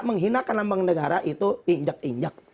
menghinakan lambang negara itu injak injak